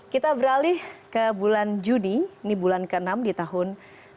kita beralih ke bulan juni ini bulan ke enam di tahun dua ribu dua puluh